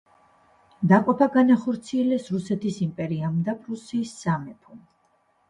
დაყოფა განახორციელეს რუსეთის იმპერიამ და პრუსიის სამეფომ.